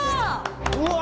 うわ！